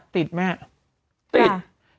ติด